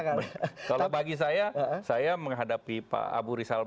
kalau bagi saya saya menghadapi pak abu rizal